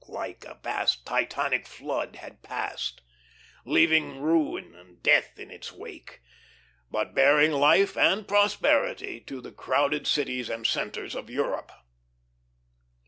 like a vast Titanic flood, had passed, leaving Death and Ruin in its wake, but bearing Life and Prosperity to the crowded cities and centres of Europe.